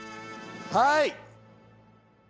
はい！